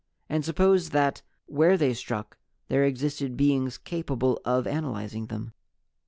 And suppose that where they struck there existed beings capable of analyzing them?"